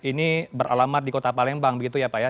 ini beralamat di kota palembang begitu ya pak ya